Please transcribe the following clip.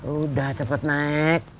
udah cepat naik